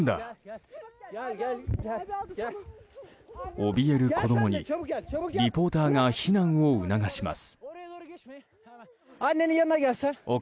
おびえる子供にリポーターが避難を促します。